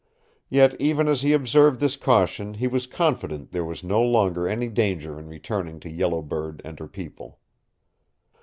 Yet even as he observed this caution he was confident there was no longer any danger in returning to Yellow Bird and her people.